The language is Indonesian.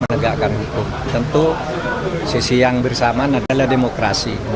menegakkan hukum tentu sisi yang bersamaan adalah demokrasi